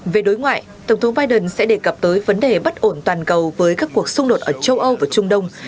về đối ngoại tổng thống biden sẽ đề cập tới vấn đề bất ổn toàn cầu với các cuộc xung đột ở châu âu và trung đông